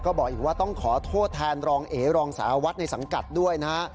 ก็บอกอีกว่าต้องขอโทษแทนรองเอรองสารวัตรในสังกัดด้วยนะฮะ